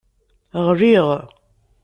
Ɣliɣ.